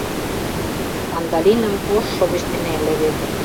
Кандалиным ош шовыч дене леведе.